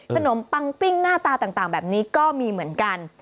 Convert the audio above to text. ขนมปังปิ้งหน้าตาต่างแบบนี้ก็มีเหมือนกัน